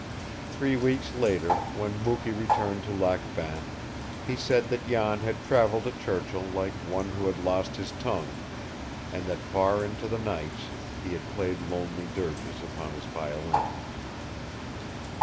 Three weeks later, when Mukee returned to Lac Bain, he said that Jan had traveled to Churchill like one who had lost his tongue, and that far into the nights he had played lonely dirges upon his violin.